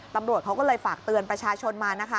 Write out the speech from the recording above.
ตำรวจเขาก็เลยฝากเตือนประชาชนมานะคะ